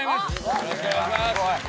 よろしくお願いします。